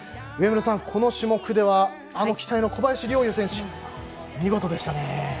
上村さん、この種目では期待の小林陵侑選手見事でしたね。